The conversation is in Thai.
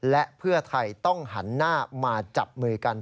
และเพื่อไทยต้องหันหน้ามาจับมือกัน